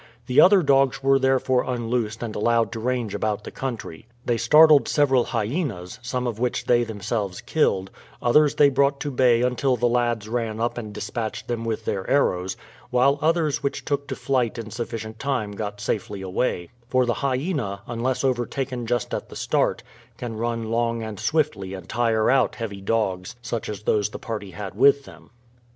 The other dogs were therefore unloosed and allowed to range about the country. They started several hyenas, some of which they themselves killed; others they brought to bay until the lads ran up and dispatched them with their arrows, while others which took to flight in sufficient time got safely away, for the hyena, unless overtaken just at the start, can run long and swiftly and tire out heavy dogs such as those the party had with them.